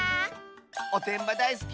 おてんばだいすき！